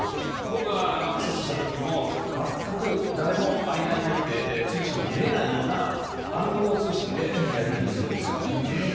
僕、アクセスしたときも、全く誰も間に入って通信を見れないような暗号通信でやり取りをすへー。